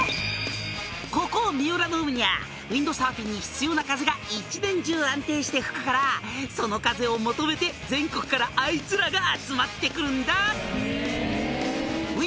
「ここ三浦の海にゃあウインドサーフィンに必要な風が一年中安定して吹くからその風を求めて全国からあいつらが集まって来るんだ」